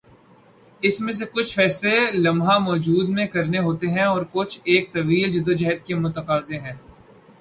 اس میں کچھ فیصلے لمحہ موجود میں کرنا ہوتے ہیں اور کچھ ایک طویل جدوجہد کے متقاضی ہیں۔